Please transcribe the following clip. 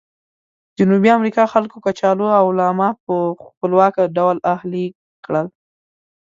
جنوبي امریکا خلکو کچالو او لاما په خپلواکه ډول اهلي کړل.